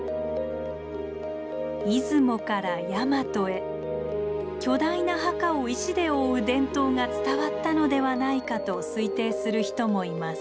出雲からヤマトへ巨大な墓を石で覆う伝統が伝わったのではないかと推定する人もいます。